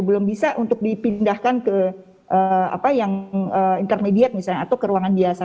belum bisa untuk dipindahkan ke apa yang intermediate misalnya atau ke ruangan biasa